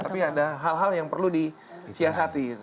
tapi ada hal hal yang perlu disiasati